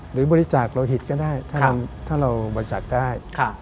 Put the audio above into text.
หรือบริจาคโลหิตก็ได้ถ้าเราบริจาคได้